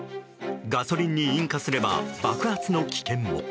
ガソリンに引火すれば爆発の危険も。